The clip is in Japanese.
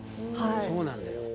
そうなんだよ。